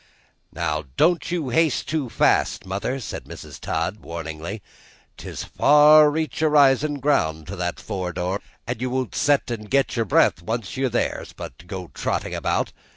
"Now don't you haste too fast, mother," said Mrs. Todd warningly; "'tis a far reach o' risin' ground to the fore door, and you won't set an' get your breath when you're once there, but go trotting about.